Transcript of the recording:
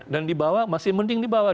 dan di bawah masih mending di bawah